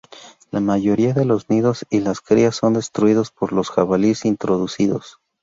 La mayoría de los nidos y las crías son destruidos por los jabalíes introducidos.